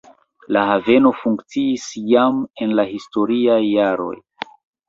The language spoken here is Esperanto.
La haveno funkciis jam en la historiaj jaroj.